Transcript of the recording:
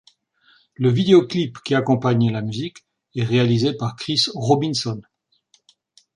Le vidéoclip qui accompagne la musique est réalisé par Chris Robinson.